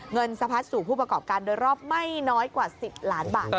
เงินสะพัดสู่ผู้ประกอบการโดยรอบไม่น้อยกว่า๑๐ล้านบาท